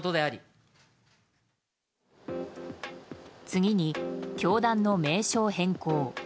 次に教団の名称変更。